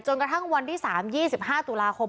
กระทั่งวันที่๓๒๕ตุลาคม